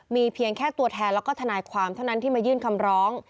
มีเพียงแค่ตัวแทนแล้วก็ทนายความเท่านั้นที่มายื่นคำร้อง